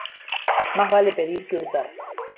Más vale pedir que hurtar.